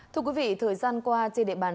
thưa quý vị thời gian qua trên địa bàn